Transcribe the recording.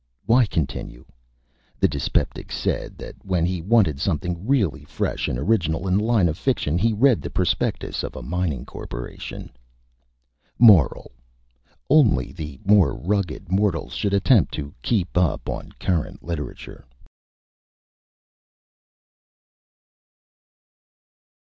Why continue? The Dyspeptic said that when he wanted something really Fresh and Original in the Line of Fiction he read the Prospectus of a Mining Corporation. MORAL: _Only the more Rugged Mortals should attempt to Keep Up on Current Literature.